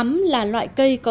mắm là loại cây có sức sớm